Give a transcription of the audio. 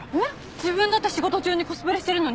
自分だって仕事中にコスプレしてるのに？